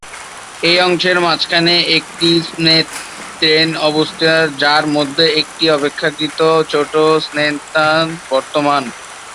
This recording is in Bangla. এই অংশের মাঝখানে একটি ম্ছোদ-র্তেন অবস্থিত যার মধ্যে একটি অপেক্ষাকৃত ছোট ম্ছোদ-র্তেন বর্তমান।